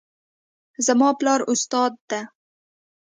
زما پلار استاد ده